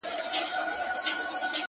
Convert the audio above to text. په يوه استنجا لمونځ نه کېږي.